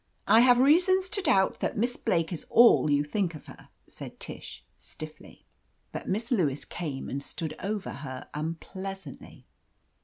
"I have reasons to doubt that Miss Blake is all you think her," said Tish stiffly. But Miss Lewis came and stood over her unpleasantly.